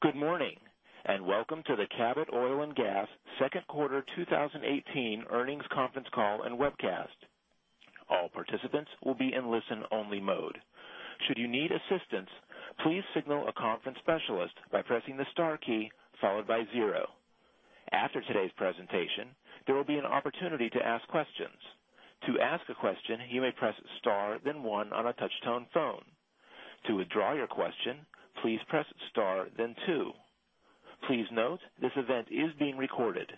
Good morning, and welcome to the Cabot Oil & Gas second quarter 2018 earnings conference call and webcast. All participants will be in listen-only mode. Should you need assistance, please signal a conference specialist by pressing the star key followed by zero. After today's presentation, there will be an opportunity to ask questions. To ask a question, you may press star then one on a touch-tone phone. To withdraw your question, please press star then two. Please note, this event is being recorded.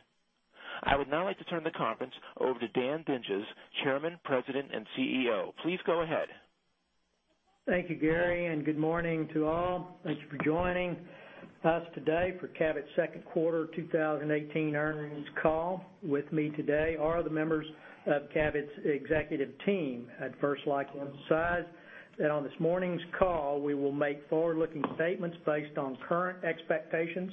I would now like to turn the conference over to Dan Dinges, Chairman, President, and CEO. Please go ahead. Thank you, Gary, and good morning to all. Thanks for joining us today for Cabot's second quarter 2018 earnings call. With me today are the members of Cabot's executive team. I'd first like to emphasize that on this morning's call, we will make forward-looking statements based on current expectations.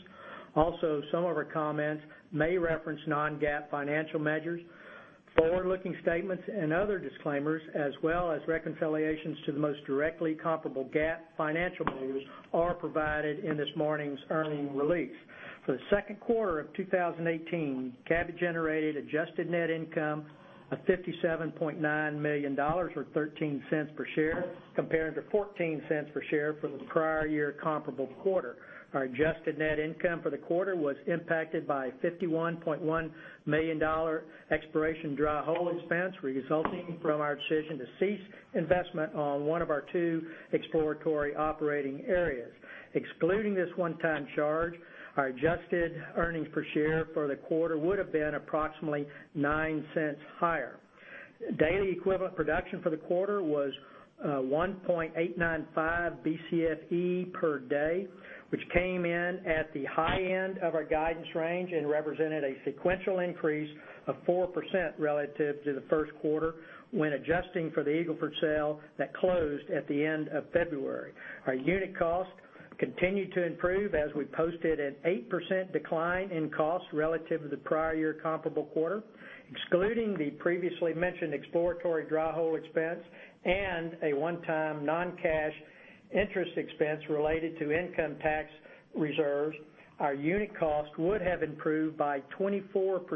Also, some of our comments may reference non-GAAP financial measures. Forward-looking statements and other disclaimers as well as reconciliations to the most directly comparable GAAP financial measures are provided in this morning's earnings release. For the second quarter of 2018, Cabot generated adjusted net income of $57.9 million, or $0.13 per share, compared to $0.14 per share for the prior year comparable quarter. Our adjusted net income for the quarter was impacted by a $51.1 million exploration dry hole expense resulting from our decision to cease investment on one of our two exploratory operating areas. Excluding this one-time charge, our adjusted earnings per share for the quarter would've been approximately $0.09 higher. Daily equivalent production for the quarter was 1.895 BCFE per day, which came in at the high end of our guidance range and represented a sequential increase of 4% relative to the first quarter when adjusting for the Eagle Ford sale that closed at the end of February. Our unit cost continued to improve as we posted an 8% decline in cost relative to the prior year comparable quarter. Excluding the previously mentioned exploratory dry hole expense and a one-time non-cash interest expense related to income tax reserves, our unit cost would have improved by 24%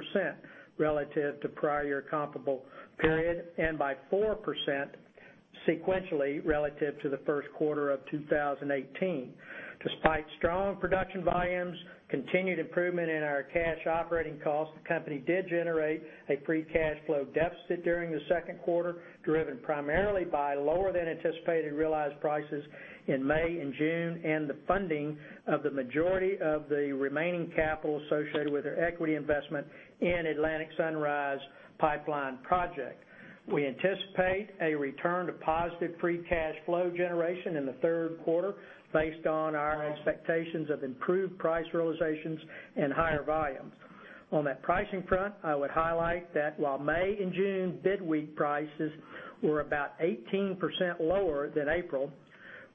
relative to prior comparable period and by 4% sequentially relative to the first quarter of 2018. Despite strong production volumes, continued improvement in our cash operating costs, the company did generate a free cash flow deficit during the second quarter, driven primarily by lower than anticipated realized prices in May and June, and the funding of the majority of the remaining capital associated with our equity investment in Atlantic Sunrise Pipeline project. We anticipate a return to positive free cash flow generation in the third quarter based on our expectations of improved price realizations and higher volumes. On that pricing front, I would highlight that while May and June bidweek prices were about 18% lower than April,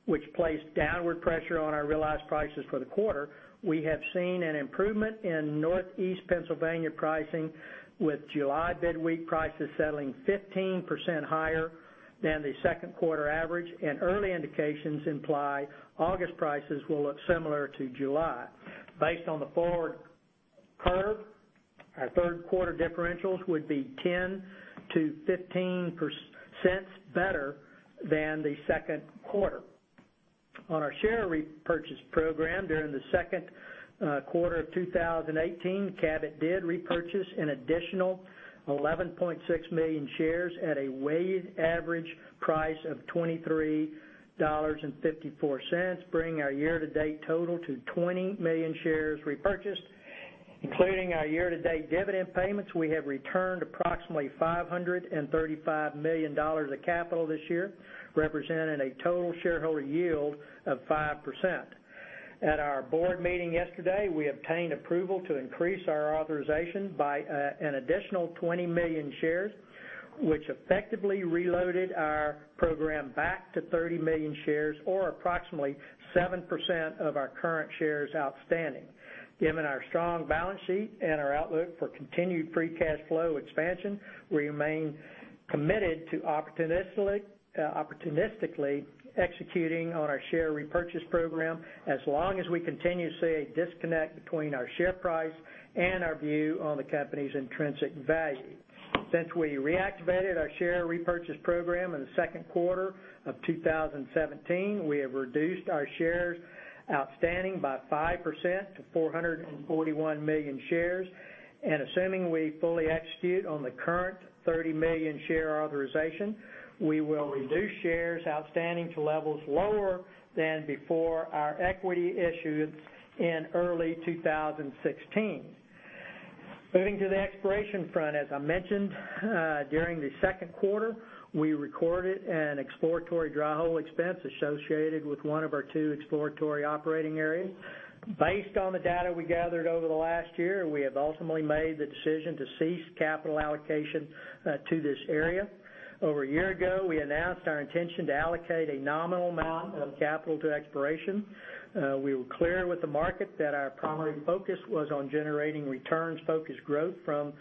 which placed downward pressure on our realized prices for the quarter, we have seen an improvement in Northeast Pennsylvania pricing with July bidweek prices settling 15% higher than the second quarter average, and early indications imply August prices will look similar to July. Based on the forward curve, our third quarter differentials would be $0.10-$0.15 better than the second quarter. On our share repurchase program during the second quarter of 2018, Cabot did repurchase an additional 11.6 million shares at a weighted average price of $23.54, bringing our year-to-date total to 20 million shares repurchased. Including our year-to-date dividend payments, we have returned approximately $535 million of capital this year, representing a total shareholder yield of 5%. At our board meeting yesterday, we obtained approval to increase our authorization by an additional 20 million shares, which effectively reloaded our program back to 30 million shares or approximately 7% of our current shares outstanding. Given our strong balance sheet and our outlook for continued free cash flow expansion, we remain committed to opportunistically executing on our share repurchase program as long as we continue to see a disconnect between our share price and our view on the company's intrinsic value. Since we reactivated our share repurchase program in the second quarter of 2017, we have reduced our shares outstanding by 5% to 441 million shares, and assuming we fully execute on the current 30 million share authorization, we will reduce shares outstanding to levels lower than before our equity issue in early 2016. Moving to the exploration front, as I mentioned, during the second quarter, we recorded an exploratory dry hole expense associated with one of our two exploratory operating areas. Based on the data we gathered over the last year, we have ultimately made the decision to cease capital allocation to this area. Over a year ago, we announced our intention to allocate a nominal amount of capital to exploration. We were clear with the market that our primary focus was on generating returns focused growth from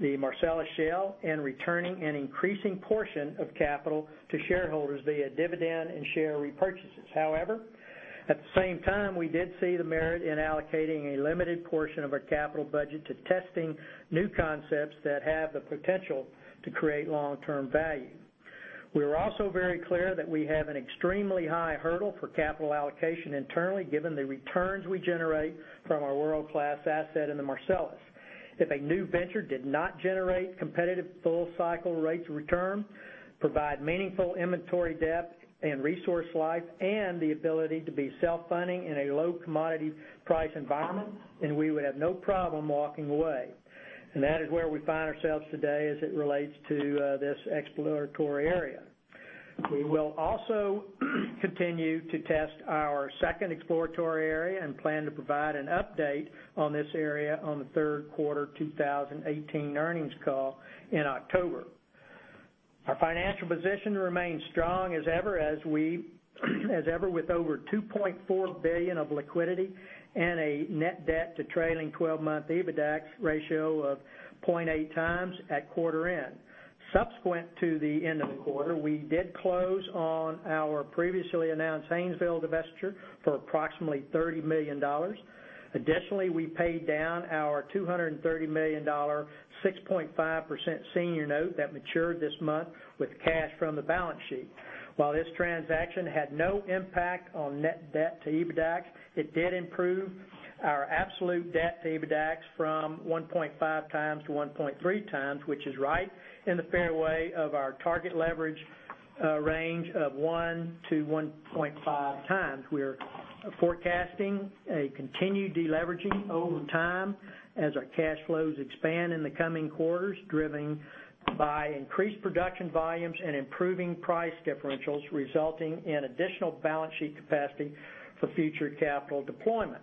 the Marcellus Shale and returning an increasing portion of capital to shareholders via dividend and share repurchases. At the same time, we did see the merit in allocating a limited portion of our capital budget to testing new concepts that have the potential to create long-term value. We're also very clear that we have an extremely high hurdle for capital allocation internally, given the returns we generate from our world-class asset in the Marcellus. If a new venture did not generate competitive full-cycle rates of return, provide meaningful inventory depth and resource life, and the ability to be self-funding in a low commodity price environment, then we would've no problem walking away. That is where we find ourselves today as it relates to this exploratory area. We will also continue to test our second exploratory area, and plan to provide an update on this area on the third quarter 2018 earnings call in October. Our financial position remains strong as ever with over $2.4 billion of liquidity, and a net debt to trailing 12-month EBITDA ratio of 0.8 times at quarter end. Subsequent to the end of the quarter, we did close on our previously announced Haynesville divestiture for approximately $30 million. Additionally, we paid down our $230 million, 6.5% senior note that matured this month with cash from the balance sheet. While this transaction had no impact on net debt to EBITDA, it did improve our absolute debt to EBITDA from 1.5x to 1.3x, which is right in the fairway of our target leverage range of 1x to 1.5x. We are forecasting a continued de-leveraging over time as our cash flows expand in the coming quarters, driven by increased production volumes and improving price differentials, resulting in additional balance sheet capacity for future capital deployment.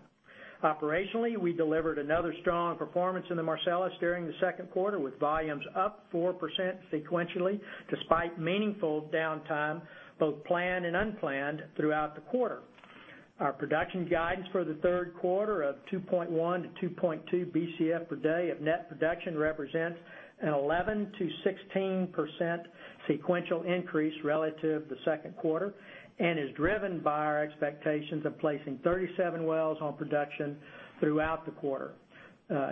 Operationally, we delivered another strong performance in the Marcellus during the second quarter, with volumes up 4% sequentially, despite meaningful downtime, both planned and unplanned, throughout the quarter. Our production guidance for the third quarter of 2.1-2.2 Bcf per day of net production represents an 11%-16% sequential increase relative to the second quarter, and is driven by our expectations of placing 37 wells on production throughout the quarter.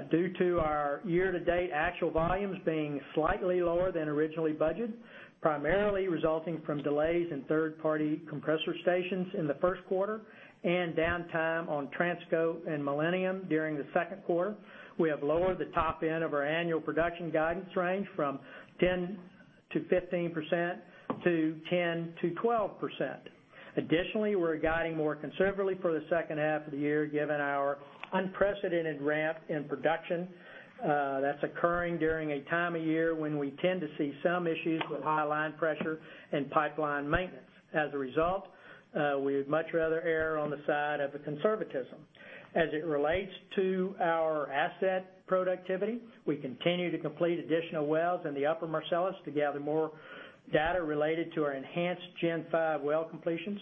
Due to our year-to-date actual volumes being slightly lower than originally budgeted, primarily resulting from delays in third-party compressor stations in the first quarter, and downtime on Transco and Millennium during the second quarter. We have lowered the top end of our annual production guidance range from 10%-15%, to 10%-12%. Additionally, we're guiding more conservatively for the second half of the year, given our unprecedented ramp in production that's occurring during a time of year when we tend to see some issues with high line pressure and pipeline maintenance. As a result, we would much rather err on the side of the conservatism. As it relates to our asset productivity, we continue to complete additional wells in the Upper Marcellus to gather more data related to our enhanced Gen 5 well completions.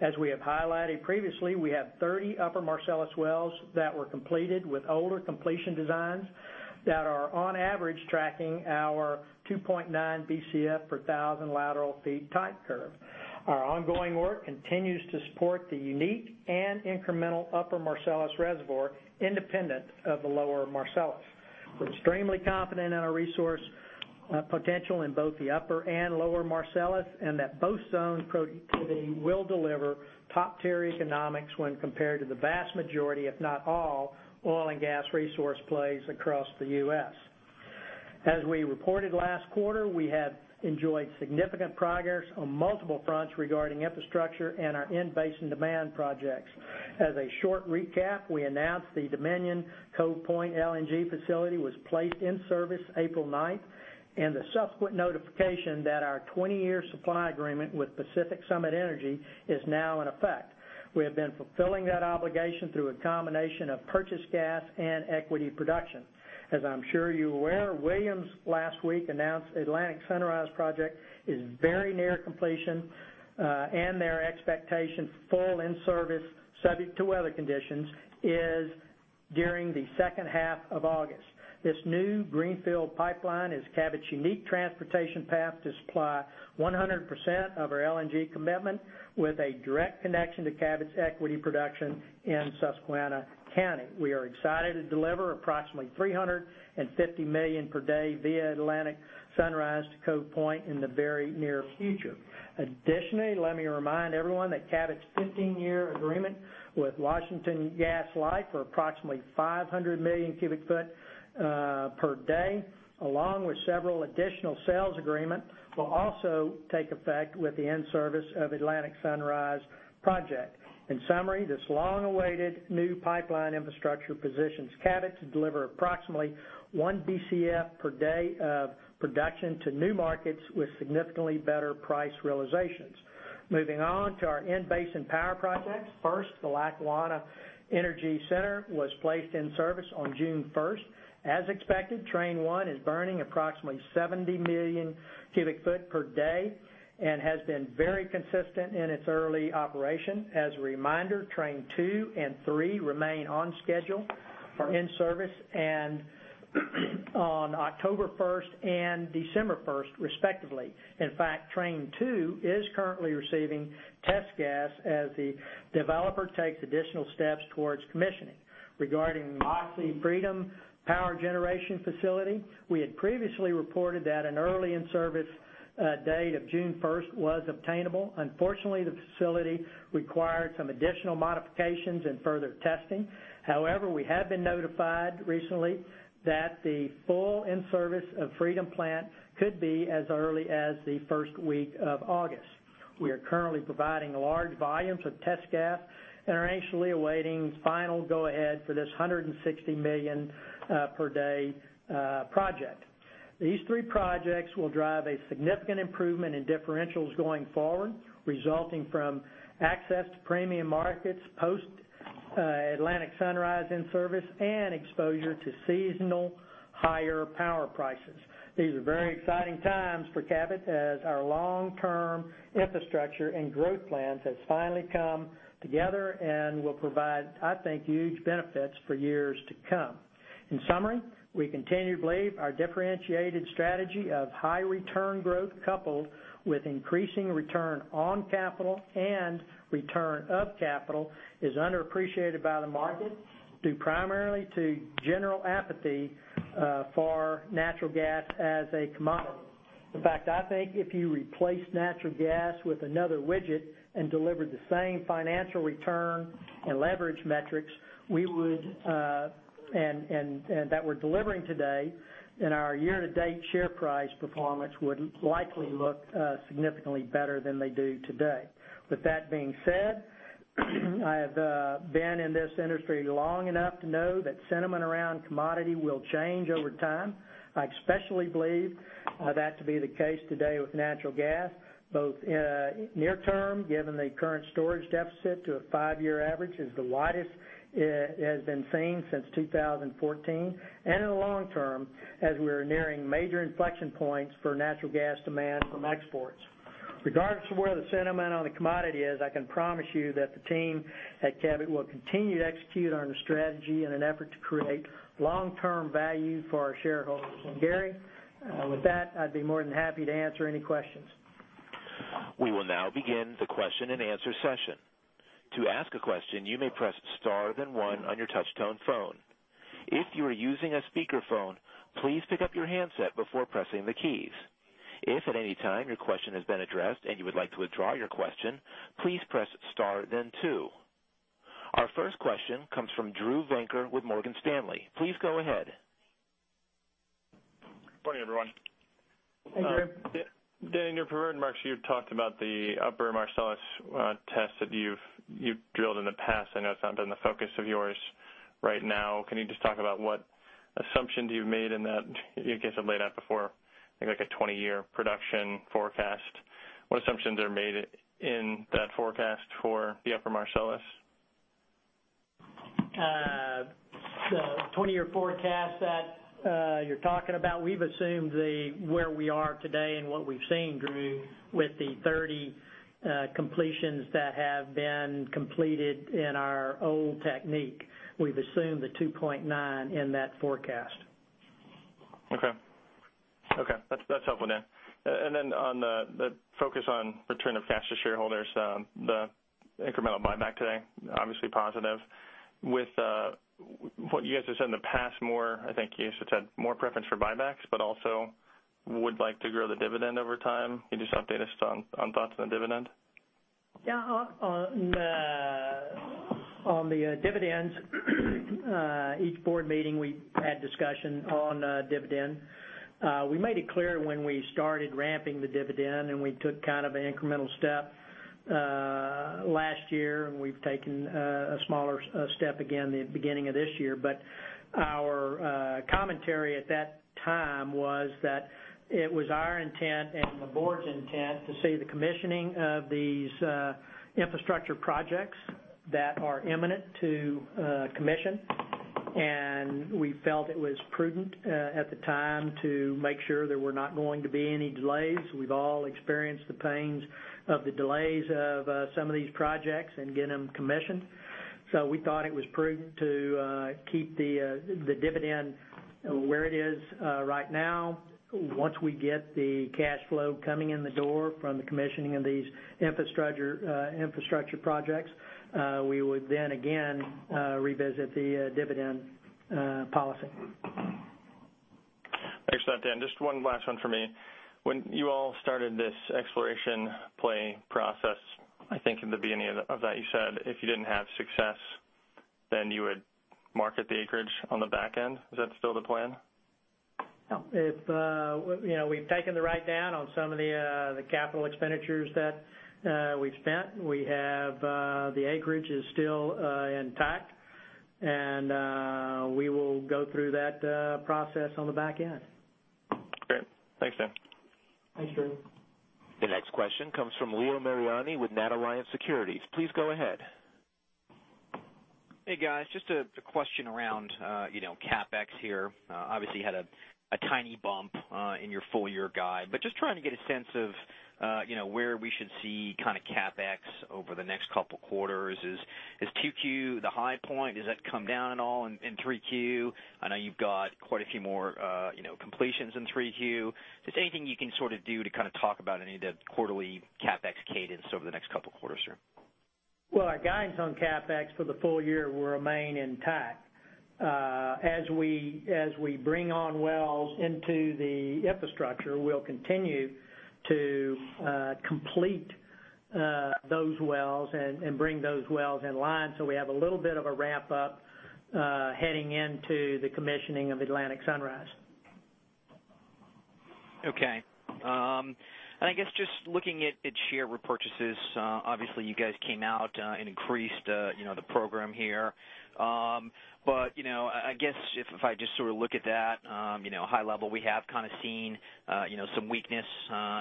As we have highlighted previously, we have 30 Upper Marcellus wells that were completed with older completion designs that are, on average, tracking our 2.9 Bcf per 1,000 lateral feet type curve. Our ongoing work continues to support the unique and incremental Upper Marcellus reservoir independent of the Lower Marcellus. We're extremely confident in our resource potential in both the upper and lower Marcellus, and that both zones' productivity will deliver top-tier economics when compared to the vast majority, if not all, oil and gas resource plays across the U.S. As we reported last quarter, we have enjoyed significant progress on multiple fronts regarding infrastructure and our in-basin demand projects. As a short recap, we announced the Dominion Cove Point LNG facility was placed in service April 9th, and the subsequent notification that our 20-year supply agreement with Pacific Summit Energy is now in effect. We have been fulfilling that obligation through a combination of purchased gas and equity production. As I'm sure you're aware, Williams last week announced Atlantic Sunrise project is very near completion, and their expectation full in service, subject to weather conditions, is during the second half of August. This new greenfield pipeline is Cabot's unique transportation path to supply 100% of our LNG commitment with a direct connection to Cabot's equity production in Susquehanna County. We are excited to deliver approximately 350 million per day via Atlantic Sunrise to Cove Point in the very near future. Additionally, let me remind everyone that Cabot's 15-year agreement with Washington Gas Light for approximately 500 million cubic foot per day, along with several additional sales agreement, will also take effect with the in-service of Atlantic Sunrise project. In summary, this long-awaited new pipeline infrastructure positions Cabot to deliver approximately 1 Bcf per day of production to new markets with significantly better price realizations. Moving on to our in-basin power projects. First, the Lackawanna Energy Center was placed in service on June 1st. As expected, train one is burning approximately 70 million cubic feet per day and has been very consistent in its early operation. As a reminder, train two and three remain on schedule for in-service on October 1st and December 1st respectively. Train two is currently receiving test gas as the developer takes additional steps towards commissioning. Regarding the Moxie Freedom Power Generation facility, we had previously reported that an early in-service date of June 1st was obtainable. Unfortunately, the facility required some additional modifications and further testing. We have been notified recently that the full in-service of Freedom Plant could be as early as the first week of August. We are currently providing large volumes of test gas and are anxiously awaiting final go-ahead for this 160 million per day project. These three projects will drive a significant improvement in differentials going forward, resulting from access to premium markets post Atlantic Sunrise in-service and exposure to seasonal higher power prices. These are very exciting times for Cabot as our long-term infrastructure and growth plans have finally come together and will provide, I think, huge benefits for years to come. In summary, we continue to believe our differentiated strategy of high return growth coupled with increasing return on capital and return of capital is underappreciated by the market, due primarily to general apathy for natural gas as a commodity. I think if you replace natural gas with another widget and deliver the same financial return and leverage metrics that we're delivering today, then our year-to-date share price performance would likely look significantly better than they do today. With that being said, I have been in this industry long enough to know that sentiment around commodity will change over time. I especially believe that to be the case today with natural gas, both near term, given the current storage deficit to a five-year average is the widest it has been seen since 2014, and in the long term, as we are nearing major inflection points for natural gas demand from exports. Regardless of where the sentiment on the commodity is, I can promise you that the team at Cabot will continue to execute on the strategy in an effort to create long-term value for our shareholders. Gary, with that, I'd be more than happy to answer any questions. We will now begin the question and answer session. To ask a question, you may press star then one on your touchtone phone. If you are using a speakerphone, please pick up your handset before pressing the keys. If at any time your question has been addressed and you would like to withdraw your question, please press star then two. Our first question comes from Drew Venker with Morgan Stanley. Please go ahead. Good morning, everyone. Hey, Drew. Dan, in your prepared remarks, you talked about the Upper Marcellus tests that you've drilled in the past, and I know it's not been the focus of yours right now. Can you just talk about what assumptions you've made in that? I guess I've laid out before, like a 20-year production forecast. What assumptions are made in that forecast for the Upper Marcellus? The 20-year forecast that you're talking about, we've assumed where we are today and what we've seen, Drew, with the 30 completions that have been completed in our old technique. We've assumed the 2.9 in that forecast. Okay. That's helpful, Dan. Then on the focus on return of cash to shareholders, the incremental buyback today, obviously positive. With what you guys have said in the past more, I think you guys have said more preference for buybacks, also would like to grow the dividend over time. Can you just update us on thoughts on the dividend? Yeah. On the dividends, each board meeting, we've had discussion on dividend. We made it clear when we started ramping the dividend, we took kind of an incremental step last year, we've taken a smaller step again the beginning of this year. Our commentary at that time was that it was our intent and the board's intent to see the commissioning of these infrastructure projects that are imminent to commission. We felt it was prudent at the time to make sure there were not going to be any delays. We've all experienced the pains of the delays of some of these projects and getting them commissioned. We thought it was prudent to keep the dividend where it is right now. Once we get the cash flow coming in the door from the commissioning of these infrastructure projects, we would then again revisit the dividend policy. Thanks for that, Dan. Just one last one from me. When you all started this exploration play process, I think in the beginning of that, you said if you didn't have success, you would market the acreage on the back end. Is that still the plan? No. We've taken the write-down on some of the capital expenditures that we've spent. The acreage is still intact, we will go through that process on the back end. Great. Thanks, Dan. Thanks, Drew. The next question comes from Leo Mariani with NatAlliance Securities. Please go ahead. Hey, guys. Just a question around CapEx here. Obviously, you had a tiny bump in your full-year guide. Just trying to get a sense of where we should see CapEx over the next couple quarters. Is 2Q the high point? Does that come down at all in 3Q? I know you've got quite a few more completions in 3Q. Just anything you can sort of do to talk about any of the quarterly CapEx cadence over the next couple quarters here? Well, our guidance on CapEx for the full year will remain intact. As we bring on wells into the infrastructure, we'll continue to complete those wells and bring those wells in line. We have a little bit of a wrap-up heading into the commissioning of Atlantic Sunrise. Okay. I guess just looking at share repurchases, obviously you guys came out and increased the program here. I guess if I just sort of look at that, high level, we have kind of seen some weakness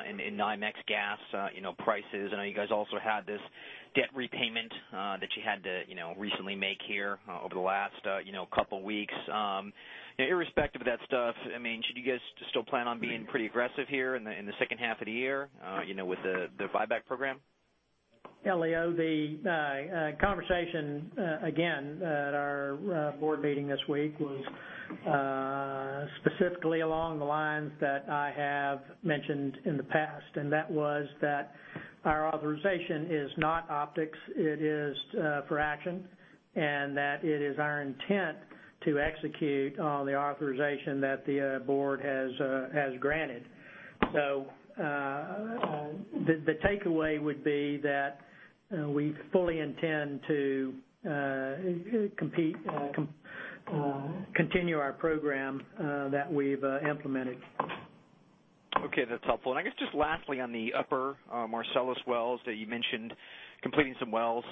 in NYMEX gas prices. I know you guys also had this debt repayment that you had to recently make here over the last couple of weeks. Irrespective of that stuff, should you guys still plan on being pretty aggressive here in the second half of the year with the buyback program? Leo, the conversation, again, at our board meeting this week was specifically along the lines that I have mentioned in the past, and that was that our authorization is not optics, it is for action, and that it is our intent to execute on the authorization that the board has granted. The takeaway would be that we fully intend to continue our program that we've implemented. Okay, that's helpful. I guess just lastly on the Upper Marcellus wells that you mentioned completing some wells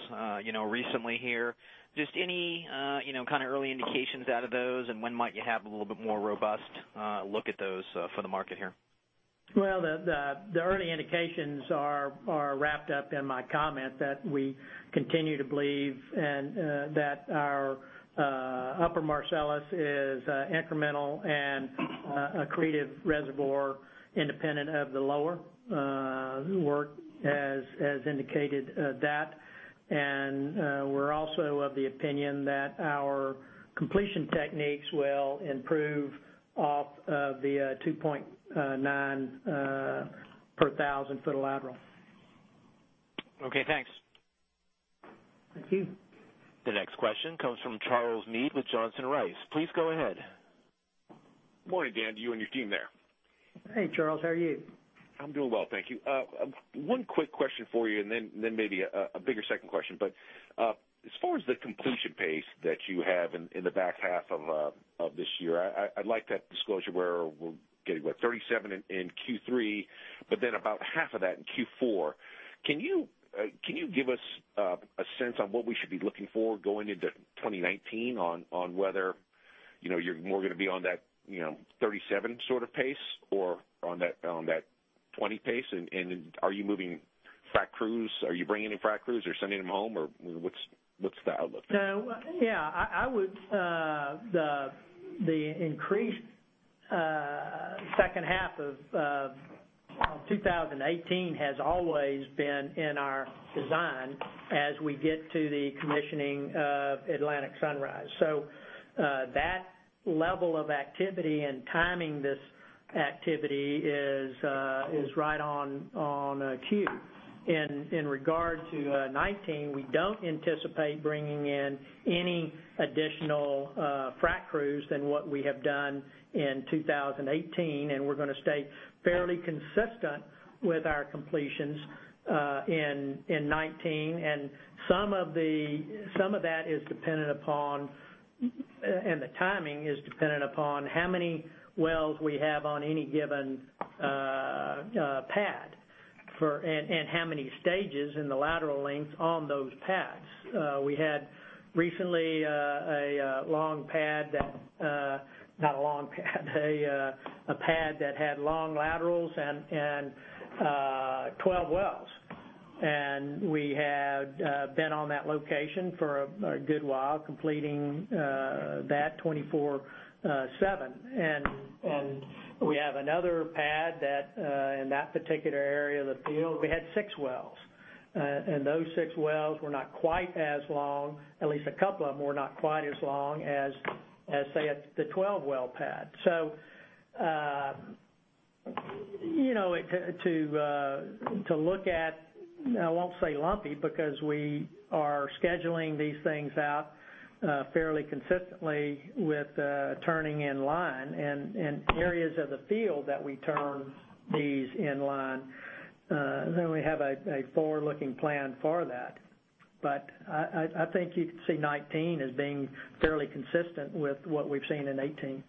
recently here, just any kind of early indications out of those, when might you have a little bit more robust look at those for the market here? Well, the early indications are wrapped up in my comment that we continue to believe, that our Upper Marcellus is incremental and accretive reservoir independent of the Lower Marcellus work has indicated that. We're also of the opinion that our completion techniques will improve off of the 2.9 per 1,000 foot of lateral. Okay, thanks. Thank you. The next question comes from Charles Meade with Johnson Rice. Please go ahead. Morning, Dan, to you and your team there. Hey, Charles. How are you? I'm doing well, thank you. One quick question for you, and then maybe a bigger second question, but as far as the completion pace that you have in the back half of this year, I'd like that disclosure where we're getting what, 37 in Q3, but then about half of that in Q4. Can you give us a sense on what we should be looking for going into 2019 on whether you're more going to be on that 37 sort of pace or on that 20 pace, and are you moving frac crews? Are you bringing in frac crews or sending them home, or what's the outlook there? Yeah. The increased second half of 2018 has always been in our design as we get to the commissioning of Atlantic Sunrise. That level of activity and timing this activity is right on queue. In regard to 2019, we don't anticipate bringing in any additional frac crews than what we have done in 2018. We're going to stay fairly consistent with our completions in 2019. Some of that is dependent upon the timing is dependent upon how many wells we have on any given pad, and how many stages in the lateral lengths on those pads. We had recently a long pad that not a long pad, a pad that had long laterals and 12 wells. We had been on that location for a good while, completing that 24/7. We have another pad in that particular area of the field, we had six wells. Those six wells were not quite as long, at least a couple of them were not quite as long as, say, at the 12-well pad. To look at, I won't say lumpy, because we are scheduling these things out fairly consistently with turning in line and areas of the field that we turn these in line, then we have a forward-looking plan for that. I think you'd see 2019 as being fairly consistent with what we've seen in 2018.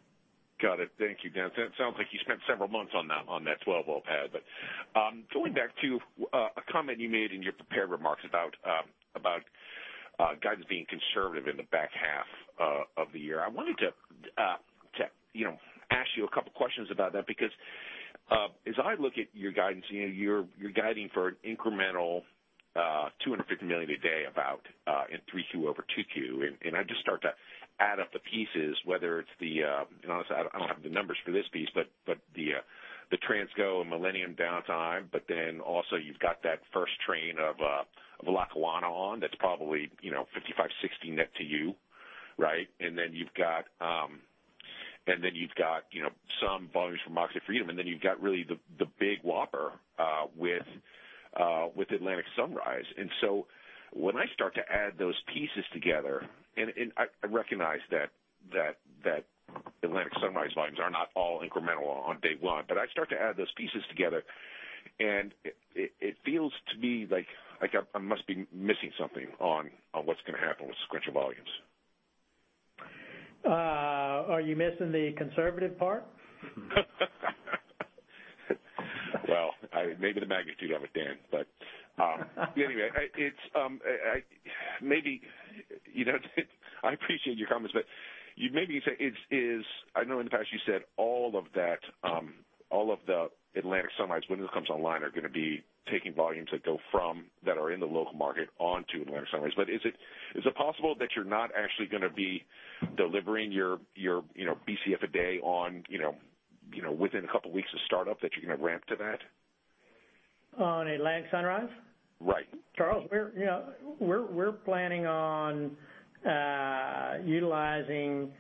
Got it. Thank you, Dan. It sounds like you spent several months on that 12-well pad. Going back to a comment you made in your prepared remarks about guidance being conservative in the back half of the year. I wanted to ask you a couple questions about that, because as I look at your guidance, you're guiding for an incremental 250 MMCFD about in Q3 over Q2. I just start to add up the pieces, whether it's the and honestly, I don't have the numbers for this piece, but the Transco and Millennium downtime. Also you've got that first train of Lackawanna on that's probably 55, 60 net to you. Right? Then you've got some volumes from Moxie Freedom. Then you've got really the big whopper with Atlantic Sunrise. When I start to add those pieces together, and I recognize that Atlantic Sunrise volumes are not all incremental on day one. I start to add those pieces together, and it feels to me like I must be missing something on what's going to happen with crunch of volumes. Are you missing the conservative part? Well, maybe the magnitude of it, Dan. Anyway. I appreciate your comments, maybe you say it is I know in the past you said all of the Atlantic Sunrise, when this comes online, are going to be taking volumes that go from, that are in the local market onto Atlantic Sunrise. Is it possible that you're not actually going to be delivering your Bcf a day within a couple of weeks of startup, that you're going to ramp to that? On Atlantic Sunrise? Right. Charles, we're planning on utilizing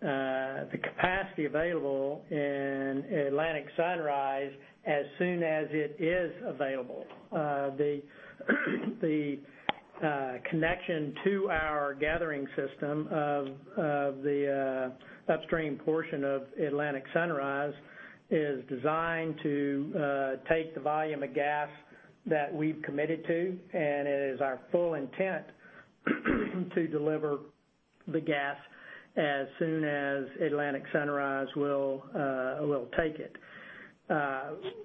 the capacity available in Atlantic Sunrise as soon as it is available. The connection to our gathering system of the upstream portion of Atlantic Sunrise is designed to take the volume of gas that we've committed to, and it is our full intent to deliver the gas as soon as Atlantic Sunrise will take it.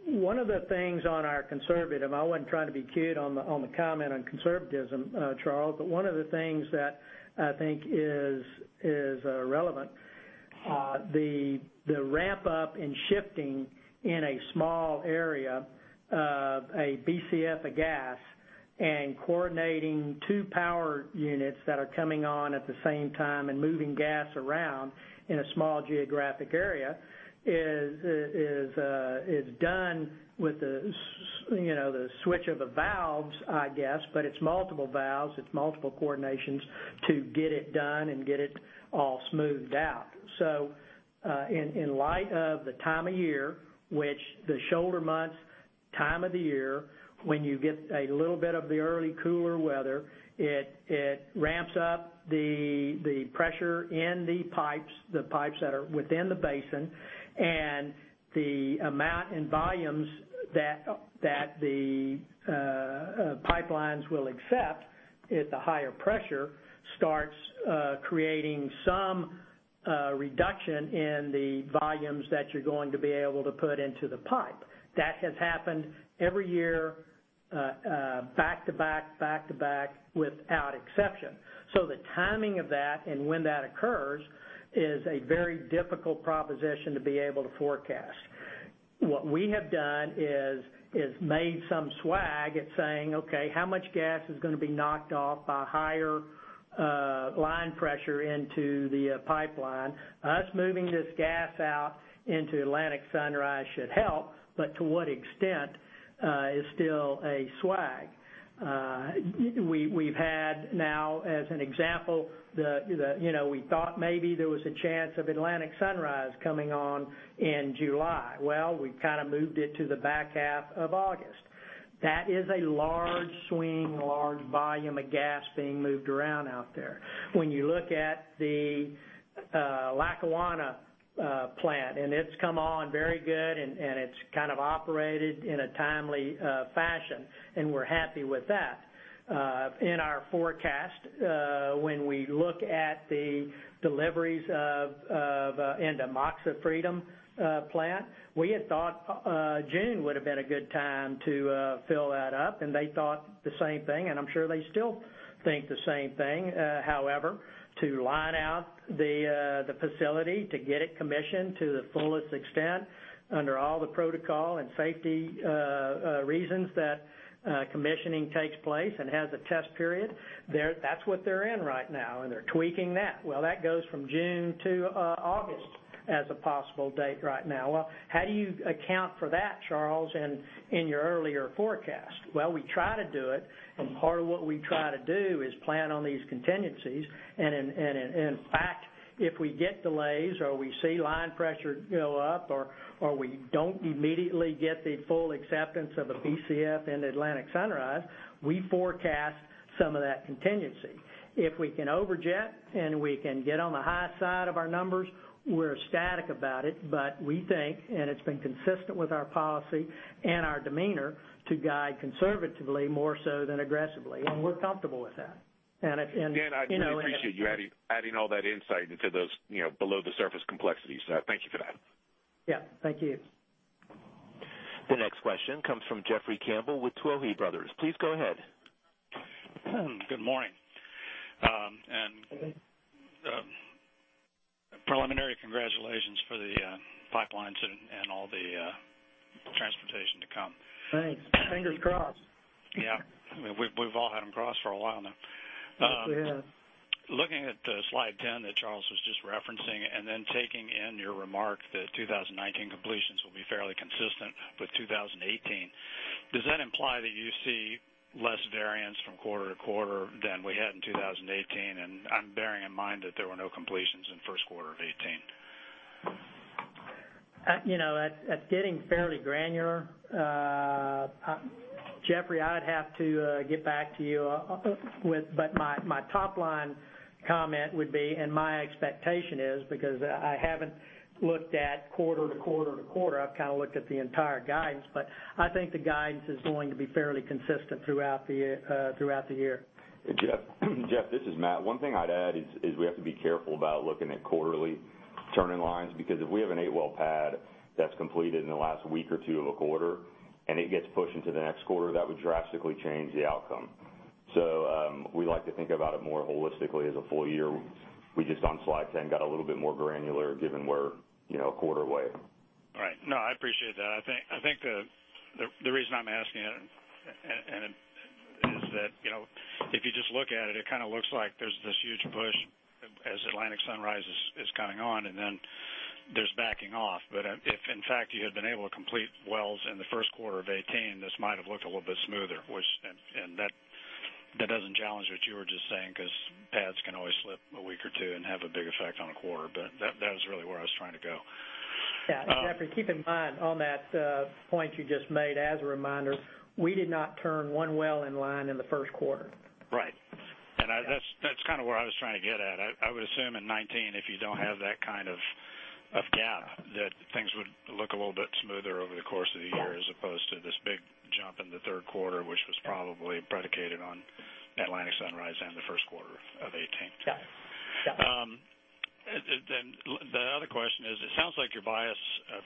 One of the things on our conservative, I wasn't trying to be cute on the comment on conservatism, Charles, one of the things that I think is relevant, the ramp-up in shifting in a small area of a Bcf of gas and coordinating two power units that are coming on at the same time and moving gas around in a small geographic area is done with the switch of the valves, I guess. It's multiple valves, it's multiple coordinations to get it done and get it all smoothed out. In light of the time of year, which the shoulder months time of the year, when you get a little bit of the early cooler weather, it ramps up the pressure in the pipes that are within the basin, and the amount and volumes that the pipelines will accept at the higher pressure starts creating some reduction in the volumes that you're going to be able to put into the pipe. That has happened every year back to back to back without exception. The timing of that and when that occurs is a very difficult proposition to be able to forecast. What we have done is made some swag at saying, "Okay, how much gas is going to be knocked off by higher line pressure into the pipeline?" Us moving this gas out into Atlantic Sunrise should help, but to what extent is still a swag. We've had now, as an example, we thought maybe there was a chance of Atlantic Sunrise coming on in July. We've kind of moved it to the back half of August. That is a large swing, large volume of gas being moved around out there. When you look at the Lackawanna plant, and it's come on very good, and it's kind of operated in a timely fashion, and we're happy with that. In our forecast, when we look at the deliveries into Moxie Freedom plant, we had thought June would've been a good time to fill that up, and they thought the same thing, and I'm sure they still think the same thing. However, to line out the facility to get it commissioned to the fullest extent under all the protocol and safety reasons that commissioning takes place and has a test period, that's what they're in right now, and they're tweaking that. That goes from June to August as a possible date right now. How do you account for that, Charles, in your earlier forecast? We try to do it, and part of what we try to do is plan on these contingencies. In fact, if we get delays or we see line pressure go up or we don't immediately get the full acceptance of a Bcf in Atlantic Sunrise, we forecast some of that contingency. If we can overachieve and we can get on the high side of our numbers, we're ecstatic about it. We think, and it's been consistent with our policy and our demeanor to guide conservatively more so than aggressively. We're comfortable with that. Dan, I really appreciate you adding all that insight into those below-the-surface complexities. Thank you for that. Yeah. Thank you. The next question comes from Jeffrey Campbell with Tuohy Brothers. Please go ahead. Good morning. Okay. Preliminary congratulations for the pipelines and all the transportation to come. Thanks. Fingers crossed. Yeah. We've all had them crossed for a while now. Yes, we have. Looking at slide 10 that Charles was just referencing, then taking in your remark that 2019 completions will be fairly consistent with 2018. Does that imply that you see less variance from quarter to quarter than we had in 2018? I'm bearing in mind that there were no completions in first quarter of 2018. That's getting fairly granular. Jeffrey, I'd have to get back to you. My top line comment would be, and my expectation is, because I haven't looked at quarter to quarter to quarter, I've kind of looked at the entire guidance. I think the guidance is going to be fairly consistent throughout the year. Jeff, this is Matt. One thing I'd add is we have to be careful about looking at quarterly turning lines, because if we have an eight-well pad that's completed in the last week or two of a quarter, and it gets pushed into the next quarter, that would drastically change the outcome. We like to think about it more holistically as a full year. We just, on slide 10, got a little bit more granular given we're a quarter away. Right. No, I appreciate that. I think the reason I'm asking is that if you just look at it kind of looks like there's this huge push as Atlantic Sunrise is coming on, then there's backing off. If, in fact, you had been able to complete wells in the first quarter of 2018, this might have looked a little bit smoother. That doesn't challenge what you were just saying, because pads can always slip a week or two and have a big effect on a quarter. That was really where I was trying to go. Yeah. Jeffrey, keep in mind on that point you just made, as a reminder, we did not turn one well in line in the first quarter. Right. That's kind of where I was trying to get at. I would assume in 2019, if you don't have that kind of gap, that things would look a little bit smoother over the course of the year, as opposed to this big jump in the third quarter, which was probably predicated on Atlantic Sunrise and the first quarter of 2018. Yeah. The other question is, it sounds like your bias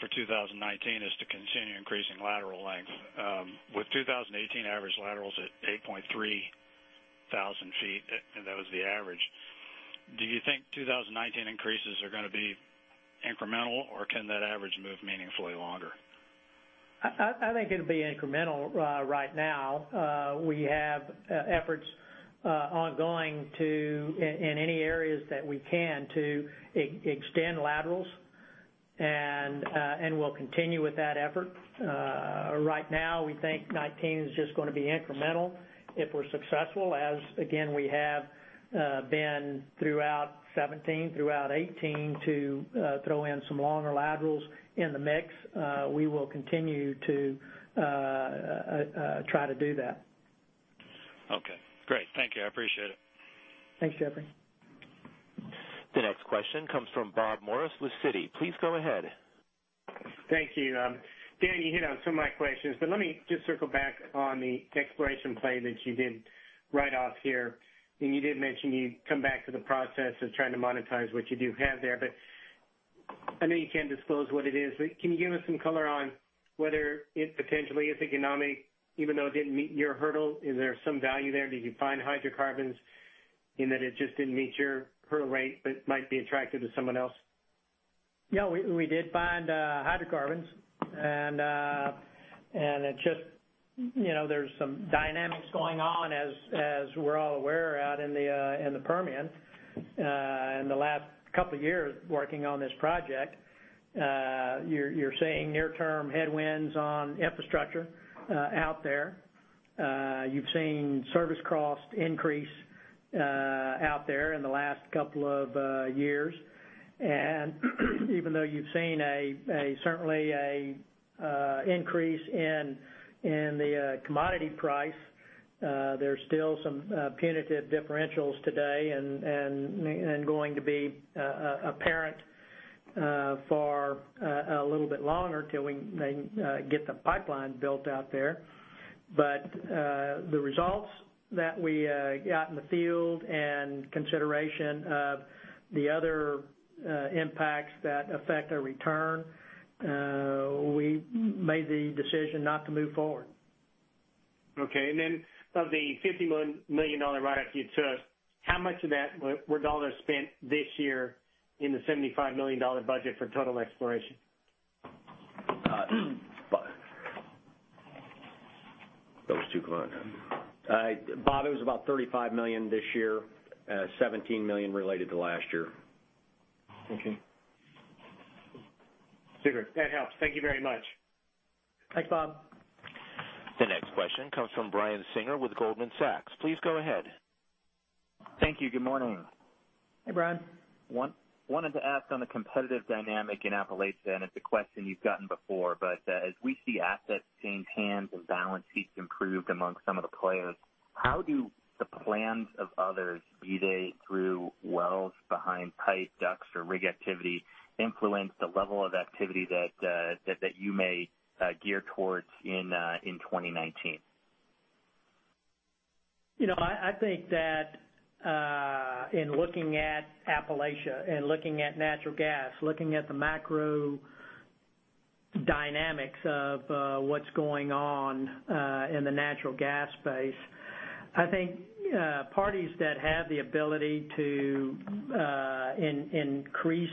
for 2019 is to continue increasing lateral length. With 2018 average laterals at 8.3 thousand feet, and that was the average, do you think 2019 increases are going to be incremental, or can that average move meaningfully longer? I think it'll be incremental right now. We have efforts ongoing in any areas that we can to extend laterals, we'll continue with that effort. Right now, we think 2019 is just going to be incremental. If we're successful, as again, we have been throughout 2017, throughout 2018, to throw in some longer laterals in the mix, we will continue to try to do that. Okay, great. Thank you. I appreciate it. Thanks, Jeffrey. The next question comes from Bob Morris with Citi. Please go ahead. Thank you. Dan, you hit on some of my questions. Let me just circle back on the exploration play that you did write off here. You did mention you'd come back to the process of trying to monetize what you do have there. I know you can't disclose what it is, but can you give us some color on whether it potentially is economic, even though it didn't meet your hurdle? Is there some value there? Did you find hydrocarbons in that it just didn't meet your hurdle rate, but might be attractive to someone else? Yeah, we did find hydrocarbons, there's some dynamics going on, as we're all aware, out in the Permian. In the last couple of years working on this project, you're seeing near-term headwinds on infrastructure out there. You've seen service cost increase out there in the last couple of years. Even though you've seen certainly an increase in the commodity price, there's still some punitive differentials today, and going to be apparent for a little bit longer till we get the pipeline built out there. The results that we got in the field and consideration of the other impacts that affect our return, we made the decision not to move forward. Okay. Then of the $50 million write-off you took, how much of that were dollars spent this year in the $75 million budget for total exploration? That was too quiet, huh? Bob, it was about $35 million this year, $17 million related to last year. Okay. Super. That helps. Thank you very much. Thanks, Bob. The next question comes from Brian Singer with Goldman Sachs. Please go ahead. Thank you. Good morning. Hey, Brian. Wanted to ask on the competitive dynamic in Appalachia. It's a question you've gotten before, but as we see assets change hands and balance sheets improved amongst some of the players, how do the plans of others, be they through wells behind pipe DUCs or rig activity, influence the level of activity that you may gear towards in 2019? I think that in looking at Appalachia and looking at natural gas, looking at the macro dynamics of what's going on in the natural gas space, I think parties that have the ability to increase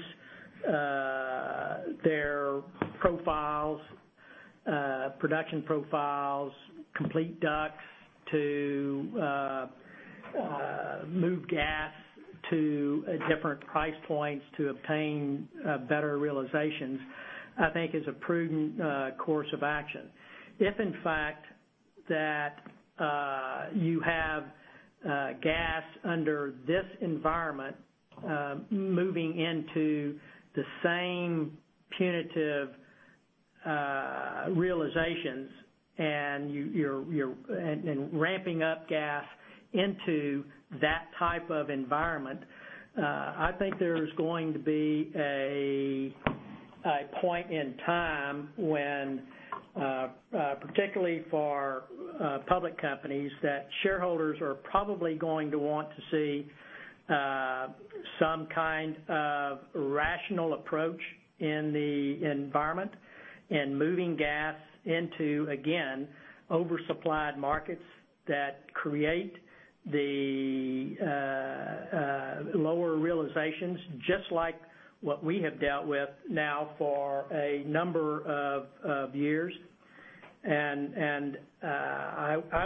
their production profiles, complete DUCs to move gas to different price points to obtain better realizations, I think is a prudent course of action. If, in fact, that you have gas under this environment moving into the same punitive realizations and ramping up gas into that type of environment, I think there's going to be a point in time when, particularly for public companies, that shareholders are probably going to want to see some kind of rational approach in the environment in moving gas into, again, over-supplied markets that create the lower realizations, just like what we have dealt with now for a number of years. I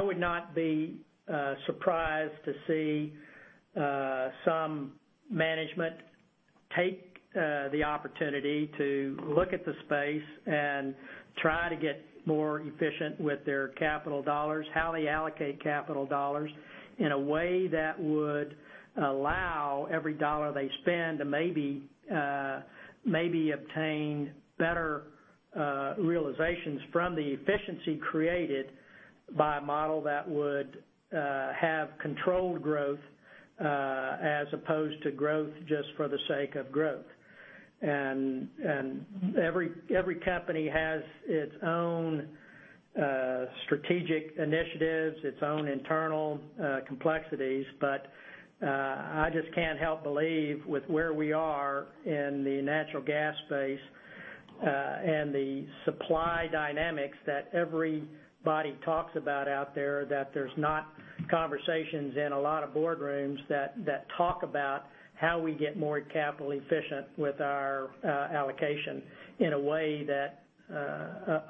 would not be surprised to see some management take the opportunity to look at the space and try to get more efficient with their capital dollars, how they allocate capital dollars in a way that would allow every dollar they spend to maybe obtain better realizations from the efficiency created by a model that would have controlled growth as opposed to growth just for the sake of growth. Every company has its own strategic initiatives, its own internal complexities. I just can't help believe with where we are in the natural gas space and the supply dynamics that everybody talks about out there, that there's not conversations in a lot of boardrooms that talk about how we get more capital efficient with our allocation in a way that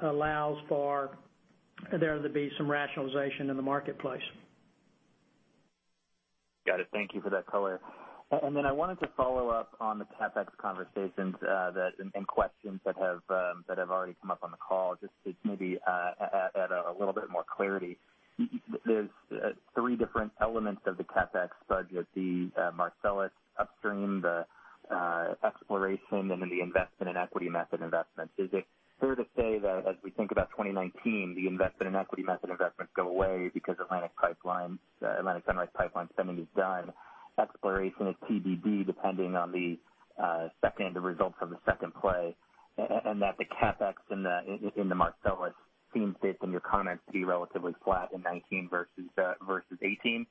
allows for there to be some rationalization in the marketplace. Got it. Thank you for that color. Then I wanted to follow up on the CapEx conversations and questions that have already come up on the call, just to maybe add a little bit more clarity. There's three different elements of the CapEx budget, the Marcellus upstream, the exploration, and then the investment and equity method investments. Is it fair to say that as we think about 2019, the investment and equity method investments go away because Atlantic Sunrise Pipeline segment is done, exploration is TBD depending on the results from the second play, and that the CapEx in the Marcellus seems, based on your comments, to be relatively flat in 2019 versus 2018?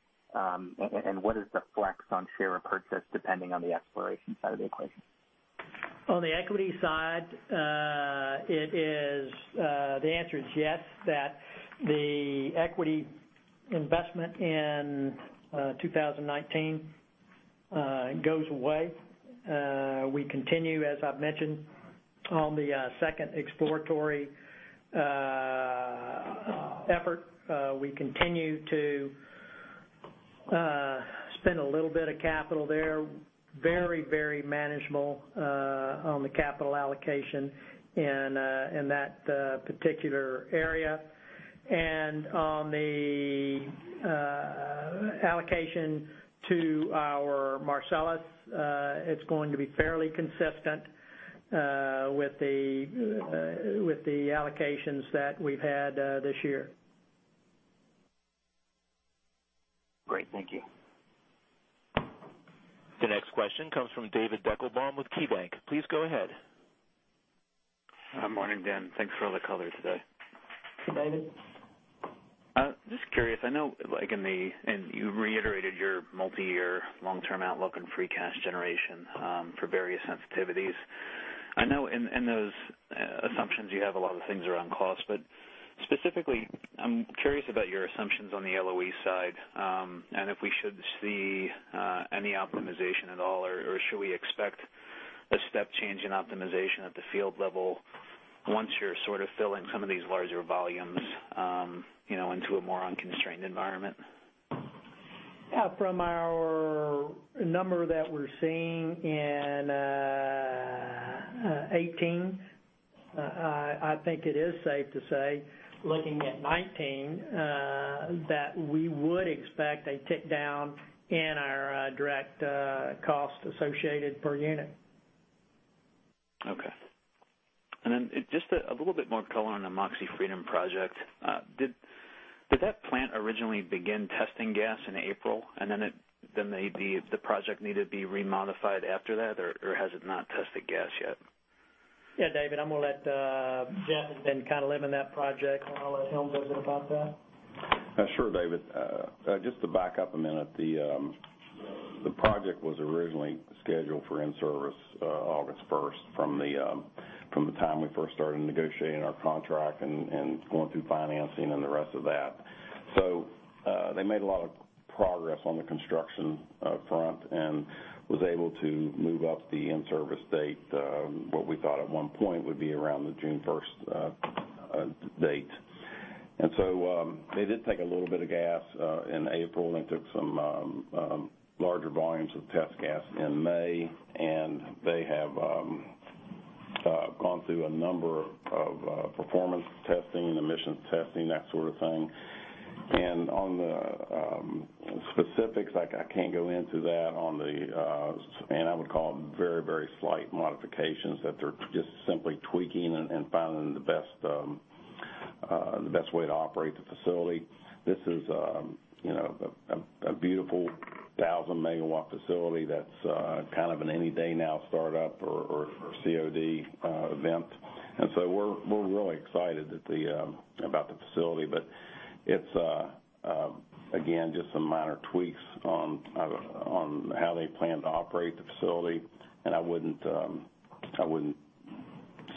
What is the flex on share repurchase depending on the exploration side of the equation? On the equity side, the answer is yes, that the equity investment in 2019 goes away. We continue, as I've mentioned, on the second exploratory effort. We continue to spend a little bit of capital there. Very manageable on the capital allocation in that particular area. On the allocation to our Marcellus, it's going to be fairly consistent with the allocations that we've had this year. Great. Thank you. The next question comes from David Deckelbaum with KeyBank. Please go ahead. Morning, Dan. Thanks for all the color today. Hey, David. Just curious, you reiterated your multi-year long-term outlook and free cash generation for various sensitivities. I know in those assumptions you have a lot of things around cost, but specifically, I'm curious about your assumptions on the LOE side and if we should see any optimization at all, or should we expect a step change in optimization at the field level once you're sort of filling some of these larger volumes into a more unconstrained environment? From our number that we're seeing in 2018, I think it is safe to say, looking at 2019, that we would expect a tick down in our direct cost associated per unit. Okay. Just a little bit more color on the Moxie Freedom project. Did that plant originally begin testing gas in April, and then the project needed to be re-modified after that, or has it not tested gas yet? Yeah, David, I'm going to let Jeff, who's been kind of living that project, I'll let him visit about that. Sure, David. Just to back up a minute, the project was originally scheduled for in-service August 1st from the time we first started negotiating our contract and going through financing and the rest of that. They made a lot of progress on the construction front and was able to move up the in-service date, what we thought at one point would be around the June 1st date. They did take a little bit of gas in April. They took some larger volumes of test gas in May, they have gone through a number of performance testing and emissions testing, that sort of thing. On the specifics, I can't go into that. I would call them very slight modifications that they're just simply tweaking and finding the best way to operate the facility. This is a beautiful 1,000-megawatt facility that's kind of an any-day-now startup or COD event. We're really excited about the facility. It's, again, just some minor tweaks on how they plan to operate the facility, and I wouldn't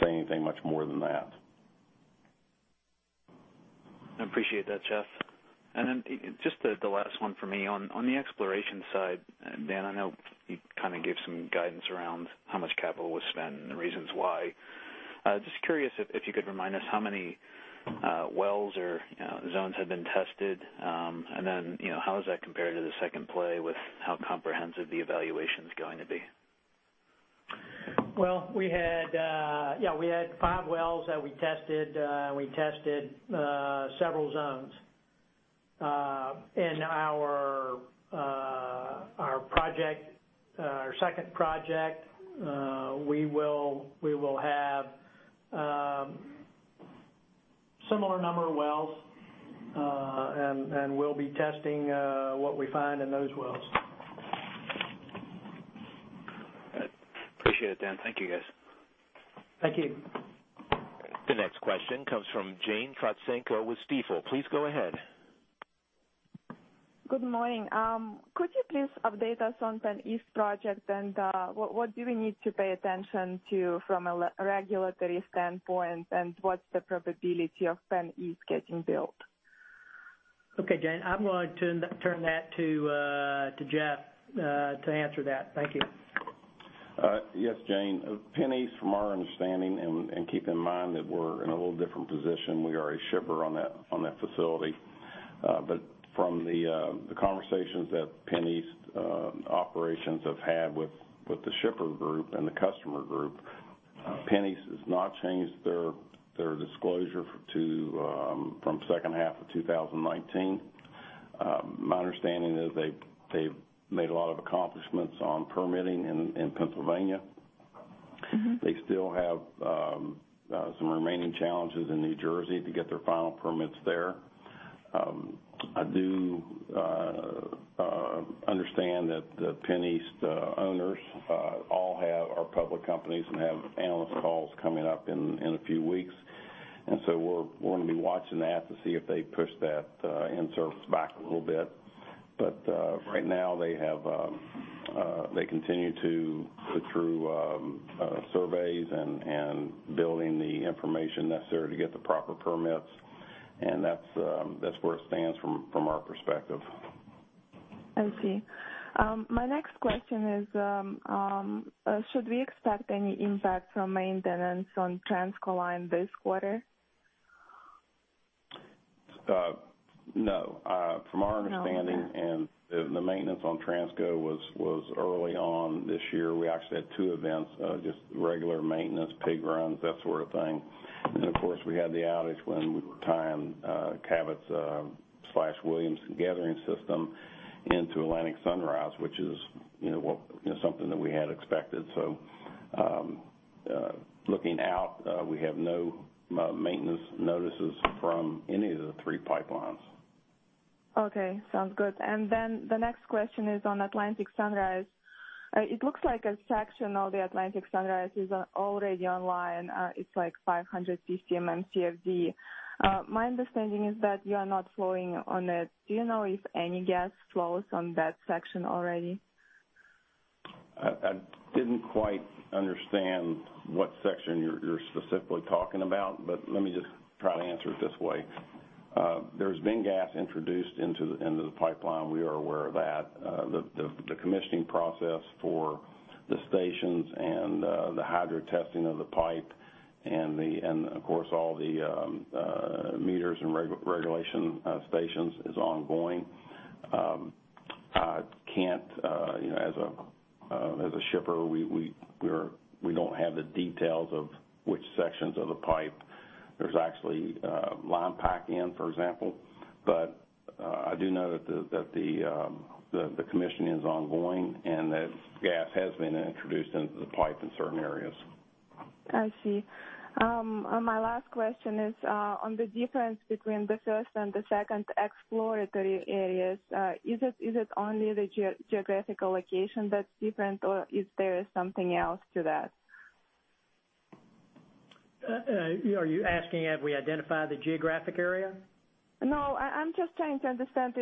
say anything much more than that. I appreciate that, Jeff. Then just the last one from me. On the exploration side, Dan, I know you kind of gave some guidance around how much capital was spent and the reasons why. Just curious if you could remind us how many wells or zones have been tested. Then, how is that compared to the second play with how comprehensive the evaluation's going to be? Well, we had five wells that we tested. We tested several zones. In our second project, we will have similar number of wells, and we'll be testing what we find in those wells. Appreciate it, Dan. Thank you, guys. Thank you. The next question comes from Jane Tsentsiper with Stifel. Please go ahead. Good morning. Could you please update us on PennEast project, and what do we need to pay attention to from a regulatory standpoint, and what's the probability of PennEast getting built? Okay, Jane. I'm going to turn that to Jeff to answer that. Thank you. Yes, Jane. PennEast, from our understanding, and keep in mind that we're in a little different position, we are a shipper on that facility. From the conversations that PennEast operations have had with the shipper group and the customer group, PennEast has not changed their disclosure from second half of 2019. My understanding is they've made a lot of accomplishments on permitting in Pennsylvania. They still have some remaining challenges in New Jersey to get their final permits there. I do understand that the PennEast owners all are public companies and have analyst calls coming up in a few weeks. We're going to be watching that to see if they push that in-service back a little bit. Right now, they continue to put through surveys and building the information necessary to get the proper permits. That's where it stands from our perspective. I see. My next question is, should we expect any impact from maintenance on Transco line this quarter? No. From our understanding. No impact. The maintenance on Transco was early on this year. We actually had two events, just regular maintenance, pig runs, that sort of thing. Of course, we had the outage when tying Cabot's slash Williams' gathering system into Atlantic Sunrise, which is something that we had expected. Looking out, we have no maintenance notices from any of the three pipelines. Okay. Sounds good. The next question is on Atlantic Sunrise. It looks like a section of the Atlantic Sunrise is already online. It's like 500 MMCFD. My understanding is that you are not flowing on it. Do you know if any gas flows on that section already? I didn't quite understand what section you're specifically talking about. Let me just try to answer it this way. There's been gas introduced into the pipeline. We are aware of that. The commissioning process for the stations and the hydrotesting of the pipe and of course, all the meters and regulation stations is ongoing. As a shipper, we don't have the details of which sections of the pipe. There's actually line pack in, for example. I do know that the commissioning is ongoing and that gas has been introduced into the pipe in certain areas. I see. My last question is on the difference between the first and the second exploratory areas. Is it only the geographical location that's different, or is there something else to that? Are you asking have we identified the geographic area? I'm just trying to understand.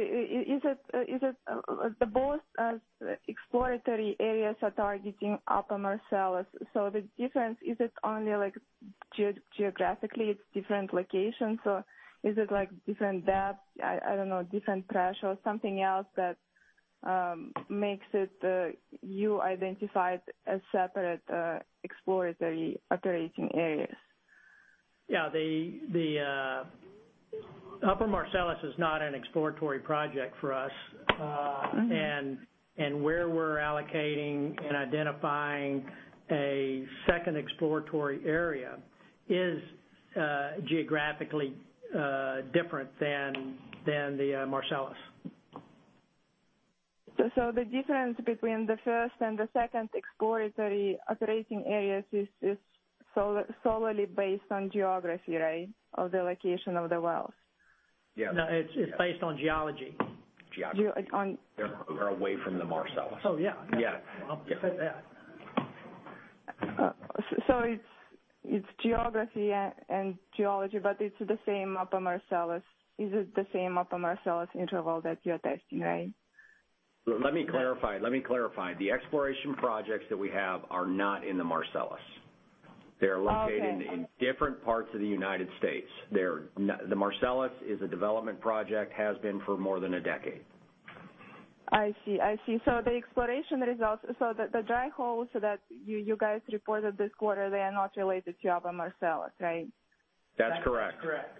Both exploratory areas are targeting Upper Marcellus, the difference, is it only geographically it's different locations, or is it different depth? I don't know, different pressure or something else makes it, you identified as separate exploratory operating areas. Yeah. The Upper Marcellus is not an exploratory project for us. Where we're allocating and identifying a second exploratory area is geographically different than the Marcellus. The difference between the first and the second exploratory operating areas is solely based on geography, right? Of the location of the wells. Yeah. No, it's based on geology. Geology. On- They're away from the Marcellus. Oh, yeah. Yeah. I'll defend that. It's geography and geology, but it's the same Upper Marcellus interval that you're testing, right? Let me clarify. The exploration projects that we have are not in the Marcellus. Okay. They're located in different parts of the United States. The Marcellus is a development project, has been for more than a decade. I see. The exploration results, so the dry holes that you guys reported this quarter, they are not related to Upper Marcellus, right? That's correct. That's correct.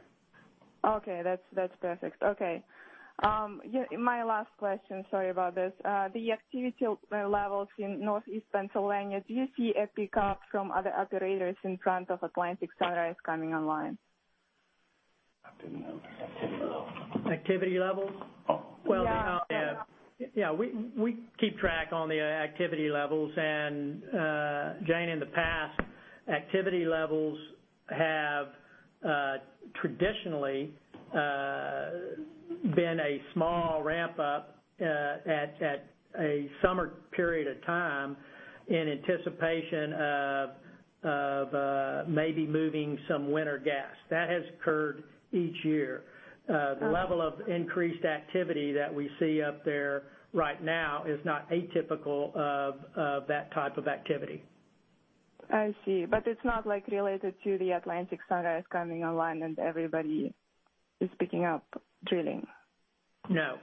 Okay. That's perfect. Okay. My last question, sorry about this. The activity levels in Northeast Pennsylvania, do you see a pickup from other operators in front of Atlantic Sunrise coming online? Activity levels? Yeah. Yeah, we keep track on the activity levels, Jane, in the past, activity levels have traditionally been a small ramp-up at a summer period of time in anticipation of maybe moving some winter gas. That has occurred each year. The level of increased activity that we see up there right now is not atypical of that type of activity. I see. It's not related to the Atlantic Sunrise coming online, everybody is picking up drilling? No.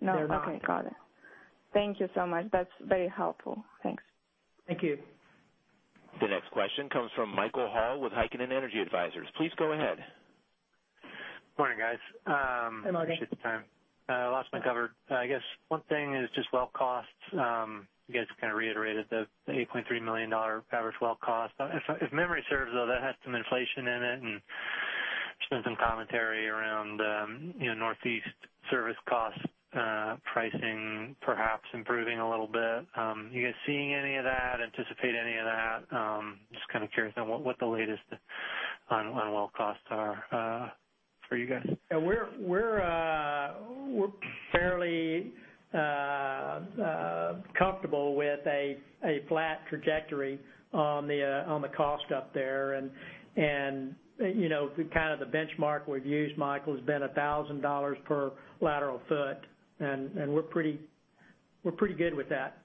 No. They're not. Okay, got it. Thank you so much. That's very helpful. Thanks. Thank you. The next question comes from Michael Hall with Heikkinen Energy Advisors. Please go ahead. Morning, guys. Hey, Michael. Appreciate the time. A lot's been covered. I guess one thing is just well costs. You guys kind of reiterated the $8.3 million average well cost. If memory serves, though, that has some inflation in it. There's been some commentary around Northeast service cost pricing perhaps improving a little bit. You guys seeing any of that? Anticipate any of that? Just kind of curious on what the latest on well costs are for you guys. We're fairly comfortable with a flat trajectory on the cost up there. The kind of benchmark we've used, Michael, has been $1,000 per lateral foot. We're pretty good with that.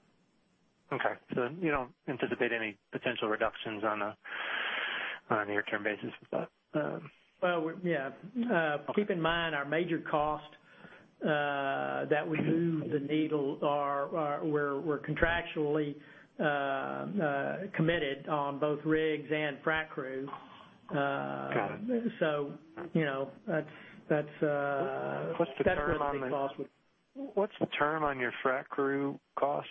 Okay, you don't anticipate any potential reductions on a near-term basis with that? Well, yeah. Okay. Keep in mind, our major cost that would move the needle are. We're contractually committed on both rigs and frac crew. Got it. So that's- What's the term on your frac crew costs?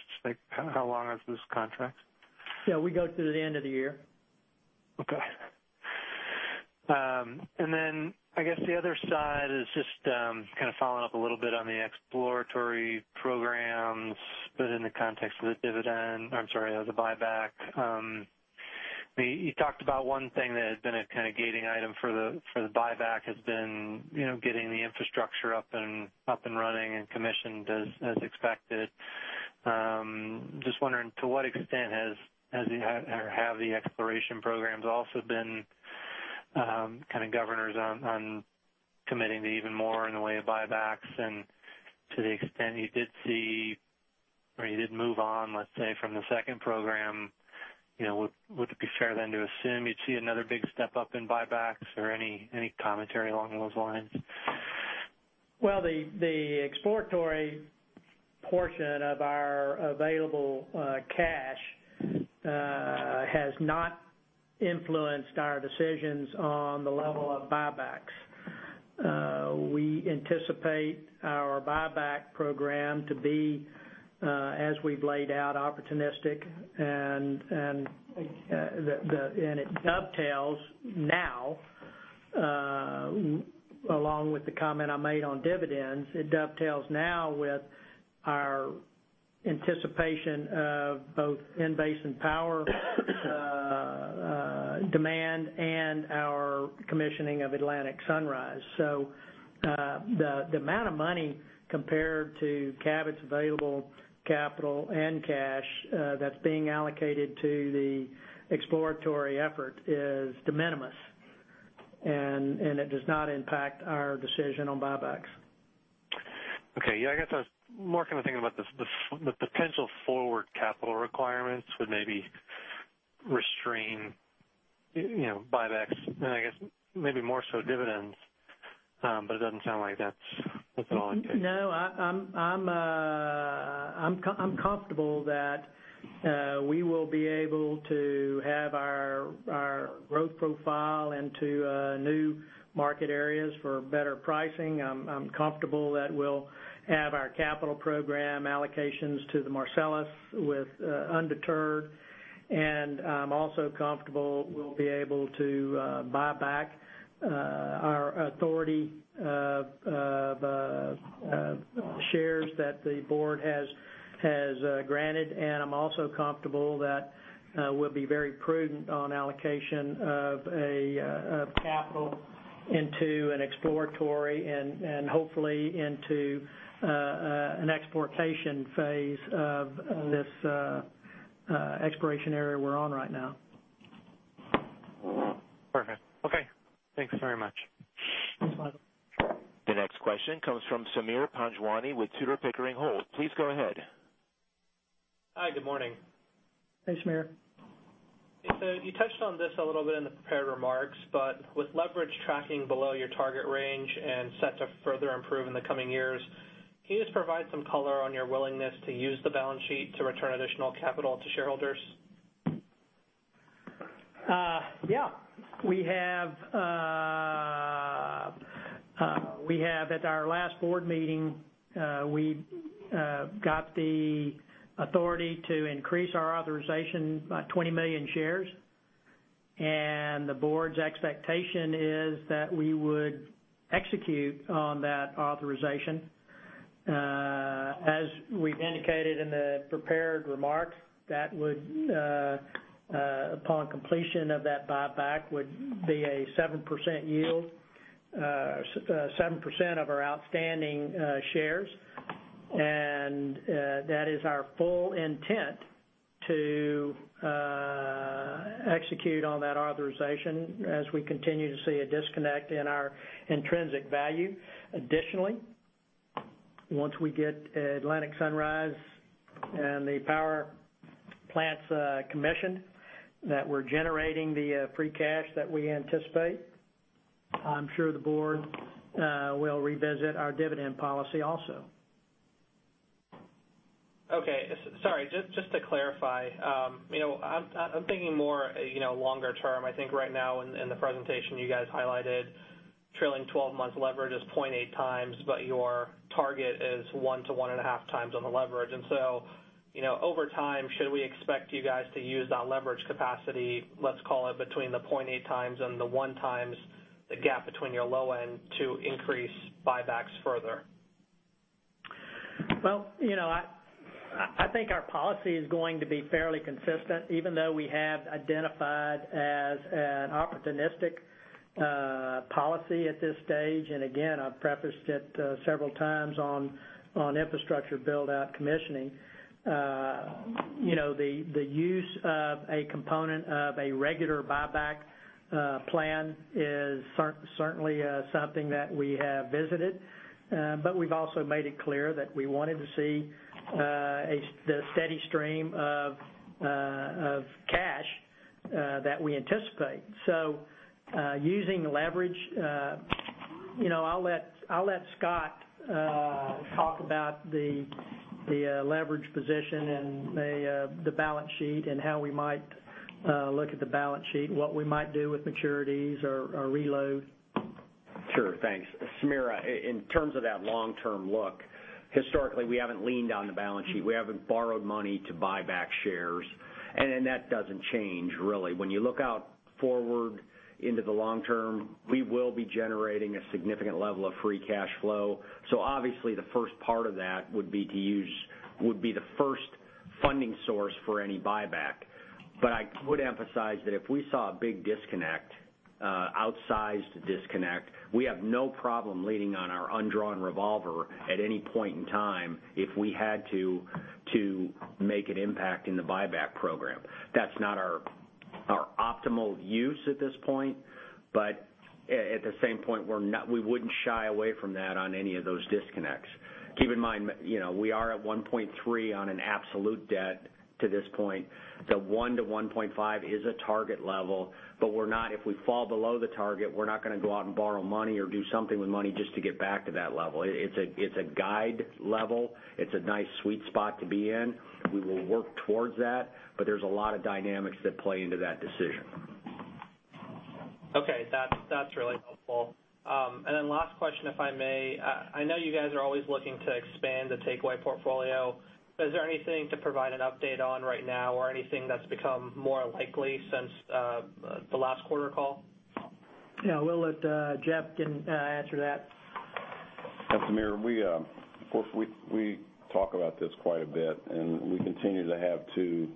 How long is this contract? Yeah, we go through the end of the year. Okay. Then, I guess the other side is just following up a little bit on the exploratory programs, but in the context of the dividend I'm sorry, of the buyback. You talked about one thing that has been a gating item for the buyback, has been getting the infrastructure up and running and commissioned as expected. Just wondering to what extent have the exploration programs also been governors on committing to even more in the way of buybacks? To the extent you did see, or you did move on, let's say, from the second program, would it be fair then to assume you'd see another big step-up in buybacks or any commentary along those lines? Well, the exploratory portion of our available cash has not influenced our decisions on the level of buybacks. We anticipate our buyback program to be, as we've laid out, opportunistic, and it dovetails now, along with the comment I made on dividends, it dovetails now with our anticipation of both in-basin power demand and our commissioning of Atlantic Sunrise. The amount of money compared to Cabot's available capital and cash that's being allocated to the exploratory effort is de minimis, and it does not impact our decision on buybacks. Okay. Yeah, I guess I was more kind of thinking about the potential forward capital requirements would maybe restrain buybacks, and I guess maybe more so dividends, but it doesn't sound like that's at all the case. I'm comfortable that we will be able to have our growth profile into new market areas for better pricing. I'm comfortable that we'll have our capital program allocations to the Marcellus undeterred, and I'm also comfortable we'll be able to buy back our authority of shares that the board has granted, and I'm also comfortable that we'll be very prudent on allocation of capital into an exploratory and hopefully into an exploitation phase of this exploration area we're on right now. Perfect. Okay. Thanks very much. That's fine. The next question comes from Sameer Panjwani with Tudor, Pickering Holt. Please go ahead. Hi, good morning. Hey, Sameer. You touched on this a little bit in the prepared remarks, but with leverage tracking below your target range and set to further improve in the coming years, can you just provide some color on your willingness to use the balance sheet to return additional capital to shareholders? At our last board meeting, we got the authority to increase our authorization by 20 million shares, and the board's expectation is that we would execute on that authorization. As we've indicated in the prepared remarks, that would, upon completion of that buyback, would be a 7% yield, 7% of our outstanding shares, and that is our full intent to execute on that authorization as we continue to see a disconnect in our intrinsic value. Additionally, once we get Atlantic Sunrise and the power plants commissioned, that we're generating the free cash that we anticipate, I'm sure the board will revisit our dividend policy also. Okay. Sorry, just to clarify, I'm thinking more longer term. I think right now in the presentation you guys highlighted trailing 12 months leverage is 0.8 times, but your target is 1 to 1.5 times on the leverage. Over time, should we expect you guys to use that leverage capacity, let's call it between the 0.8 times and the 1 time the gap between your low end to increase buybacks further? Well, I think our policy is going to be fairly consistent even though we have identified as an opportunistic policy at this stage. Again, I've prefaced it several times on infrastructure build-out commissioning. The use of a component of a regular buyback plan is certainly something that we have visited, but we've also made it clear that we wanted to see the steady stream of cash that we anticipate. Using leverage, I'll let Scott talk about the leverage position and the balance sheet and how we might look at the balance sheet and what we might do with maturities or reload. Sure. Thanks. Sameer, in terms of that long-term look, historically, we haven't leaned on the balance sheet. We haven't borrowed money to buy back shares. That doesn't change, really. When you look out forward into the long term, we will be generating a significant level of free cash flow. Obviously, the first part of that would be the first funding source for any buyback. I would emphasize that if we saw a big disconnect, outsized disconnect, we have no problem leaning on our undrawn revolver at any point in time if we had to make an impact in the buyback program. That's not our optimal use at this point, but at the same point, we wouldn't shy away from that on any of those disconnects. Keep in mind, we are at 1.3 on an absolute debt to this point. The 1 to 1.5 is a target level, if we fall below the target, we're not going to go out and borrow money or do something with money just to get back to that level. It's a guide level. It's a nice sweet spot to be in. We will work towards that, there's a lot of dynamics that play into that decision. Okay. That's really helpful. Last question, if I may. I know you guys are always looking to expand the takeaway portfolio, is there anything to provide an update on right now or anything that's become more likely since the last quarter call? Yeah, we'll let Jeff answer that. Yeah, Sameer, we talk about this quite a bit. We continue to have two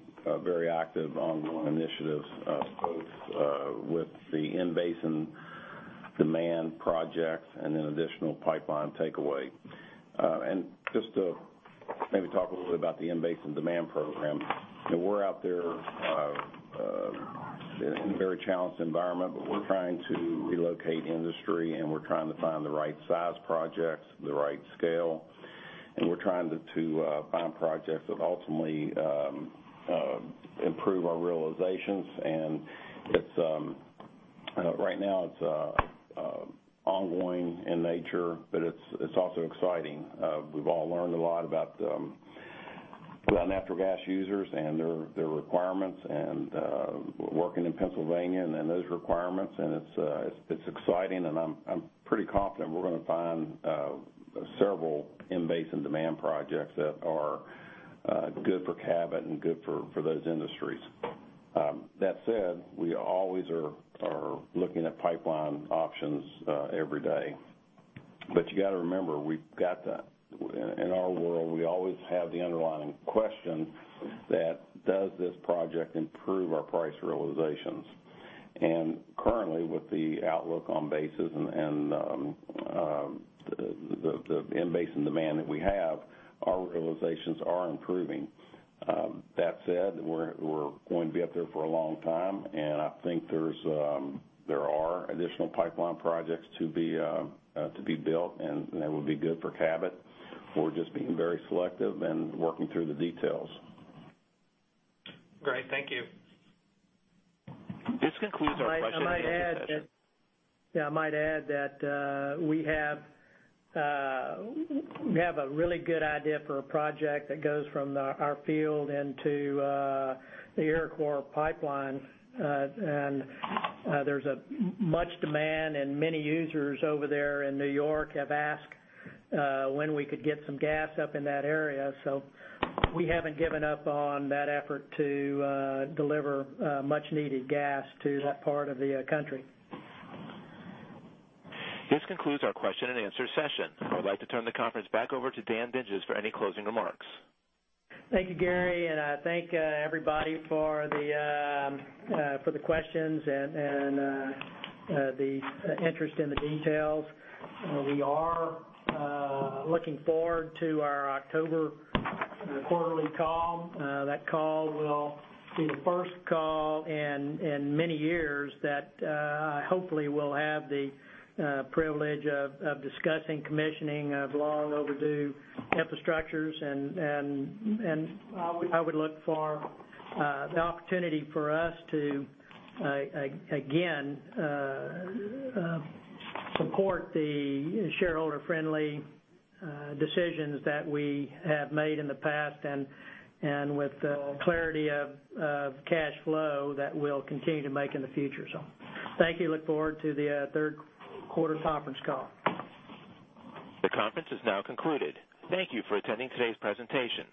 very active ongoing initiatives both with the in-basin demand projects and an additional pipeline takeaway. Just to maybe talk a little bit about the in-basin demand program, we're out there in a very challenged environment. We're trying to relocate industry, we're trying to find the right size projects, the right scale. We're trying to find projects that ultimately improve our realizations. Right now it's ongoing in nature. It's also exciting. We've all learned a lot about our natural gas users and their requirements and working in Pennsylvania and those requirements. It's exciting. I'm pretty confident we're going to find several in-basin demand projects that are good for Cabot and good for those industries. That said, we always are looking at pipeline options every day. You got to remember, in our world, we always have the underlying question that, does this project improve our price realizations? Currently, with the outlook on basis and the in-basin demand that we have, our realizations are improving. That said, we're going to be up there for a long time. I think there are additional pipeline projects to be built. That would be good for Cabot. We're just being very selective and working through the details. Great, thank you. This concludes our question and answer session. Yeah, I might add that we have a really good idea for a project that goes from our field into the Iroquois pipeline. There's much demand and many users over there in New York have asked when we could get some gas up in that area, we haven't given up on that effort to deliver much needed gas to that part of the country. This concludes our question and answer session. I'd like to turn the conference back over to Dan Dinges for any closing remarks. Thank you, Gary, and thank everybody for the questions and the interest in the details. We are looking forward to our October quarterly call. That call will be the first call in many years that hopefully will have the privilege of discussing commissioning of long overdue infrastructures. I would look for the opportunity for us to, again, support the shareholder-friendly decisions that we have made in the past and with the clarity of cash flow that we'll continue to make in the future. Thank you. Look forward to the third quarter conference call. The conference is now concluded. Thank you for attending today's presentation.